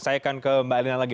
saya akan ke mbak elina lagi